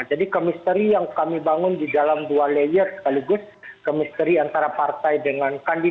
jadi ke misteri yang kami bangun di dalam dua layer sekaligus ke misteri antara partai dengan partai